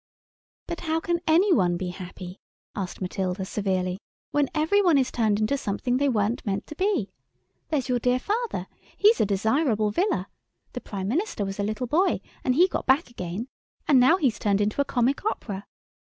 "But how can any one be happy?" asked Matilda, severely, "when every one is turned into something they weren't meant to be? There's your dear father—he's a desirable villa—the Prime Minister was a little boy, and he got back again, and now he's turned into a Comic Opera.